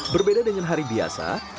berbeda dengan hari biasa